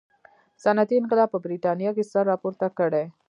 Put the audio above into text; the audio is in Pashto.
صنعتي انقلاب په برېټانیا کې سر راپورته کړي.